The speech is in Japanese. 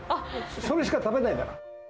それしか食べないから。